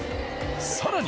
更に。